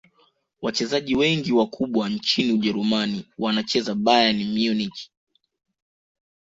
wachezaji wengi wakubwa nchini ujerumani wanacheza bayern munich